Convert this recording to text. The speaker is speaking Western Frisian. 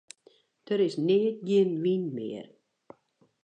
Der is neat gjin wyn mear.